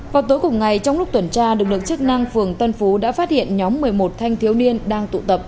vào tối cùng ngày trong lúc tuần tra lực lượng chức năng phường tân phú đã phát hiện nhóm một mươi một thanh thiếu niên đang tụ tập